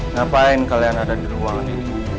ngapain kalian ada di ruangan ini